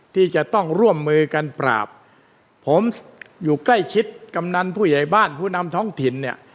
ที่จะต้องร่วมมือกันปราบผมอยู่ใกล้ชิดกำนันผู้ใหญ่บ้านผู้นำท้องถิ่นเนี่ย